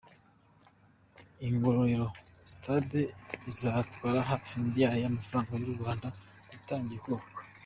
I Ngororero; stade izatwara hafi miliyari y’amafaranga y’u Rwanda yatangiye kubakwa.